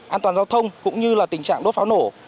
an toàn giao thông cũng như là tình trạng đốt pháo nổ